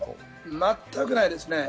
全くないですね。